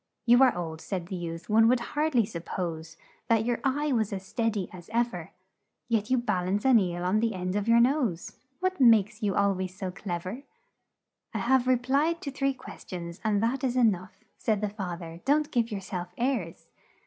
"'You are old,' said the youth; 'one would hard ly sup pose That your eye was as stead y as ev er; Yet you bal ance an eel on the end of your nose What makes you al ways so clev er?' "'I have re plied to three ques tions, and that is e nough,' Said the fath er; 'don't give your self airs!